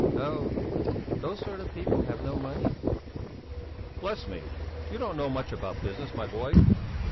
"Oh! Those sort of people have no money!" "Bless me! You don't know much about business, my boy!